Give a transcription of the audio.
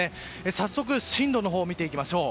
早速、進路を見ていきましょう。